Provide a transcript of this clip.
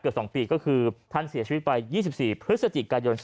๒ปีก็คือท่านเสียชีวิตไป๒๔พฤศจิกายน